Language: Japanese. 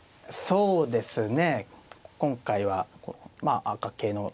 そうですね。